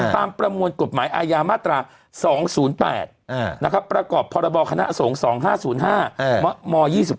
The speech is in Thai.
ประมวลกฎหมายอาญามาตรา๒๐๘ประกอบพรบคณะสงฆ์๒๕๐๕ม๒๕